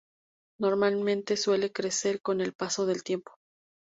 Normalmente suele crecer con el paso del tiempo.